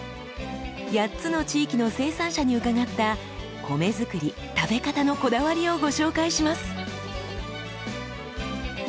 ８つの地域の生産者に伺った米作り食べ方のこだわりをご紹介します。